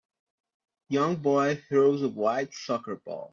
Young boy throws a white soccer ball.